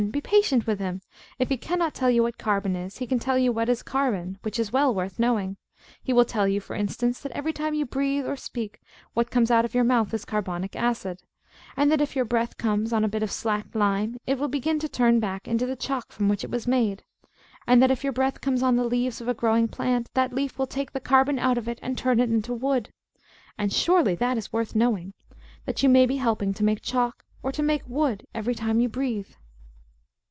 Be patient with him. If he cannot tell you what carbon is, he can tell you what is carbon, which is well worth knowing. He will tell you, for instance, that every time you breathe or speak, what comes out of your mouth is carbonic acid; and that, if your breath comes on a bit of slacked lime, it will begin to turn it back into the chalk from which it was made; and that, if your breath comes on the leaves of a growing plant, that leaf will take the carbon out of it, and turn it into wood. And surely that is worth knowing, that you may be helping to make chalk, or to make wood, every time you breathe.